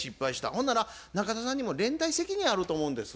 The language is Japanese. ほんなら中田さんにも連帯責任あると思うんです。